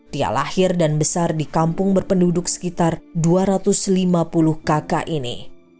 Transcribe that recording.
dia lahir dan besar di kampung berpenduduk sekitar dua ratus lima puluh kakak ini